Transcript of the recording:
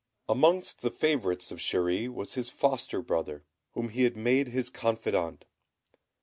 Amongst the favourites of Chéri was his foster brother, whom he had made his confidant.